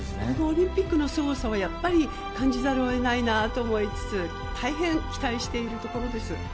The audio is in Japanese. オリンピックのすごさを感じざるを得ないなと思いつつ大変、期待しているところです。